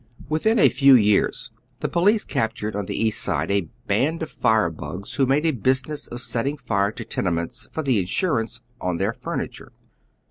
Within & few years the police captured on the East Side a band of firebugs who made a business of setting fire to tenements for the insurance on tlieir furnitnre.